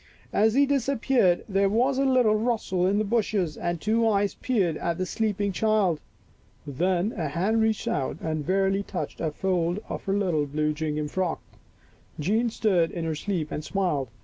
As he disappeared there was a little rustle in the bushes and two eyes peered at the sleeping child. Then a hand reached out and warily touched a fold of her little blue gingham frock. Jean stirred in her sleep and smiled.